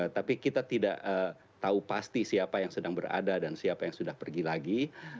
tapi kita tidak tahu pasti siapa yang sedang berada dan siapa yang sudah pergi lagi